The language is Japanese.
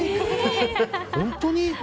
本当に？